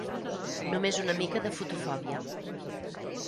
Només una mica de fotofòbia.